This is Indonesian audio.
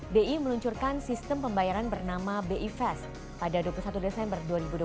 bi meluncurkan sistem pembayaran bernama bi fast pada dua puluh satu desember dua ribu dua puluh